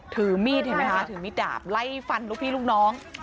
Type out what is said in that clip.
ถือมีดเห็นไหมคะถือมีดดาบไล่ฟันลูกพี่ลูกน้อง